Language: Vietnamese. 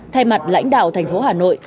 thay mặt lãnh đạo thành phố hà nội